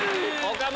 岡村！